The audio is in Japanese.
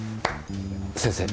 先生。